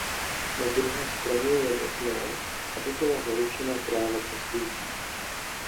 Na druhé straně je nutné, aby byla zaručena práva cestujících.